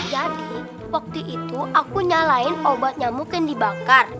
jadi waktu itu aku nyalain obat nyamuk yang dibakar